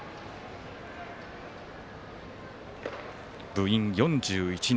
部員４１人。